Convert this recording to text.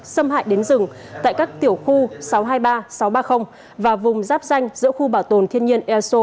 xâm hại đến rừng tại các tiểu khu sáu trăm hai mươi ba sáu trăm ba mươi và vùng giáp danh giữa khu bảo tồn thiên nhiên eso